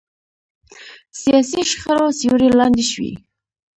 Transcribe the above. سیاسي شخړو سیوري لاندې شوي.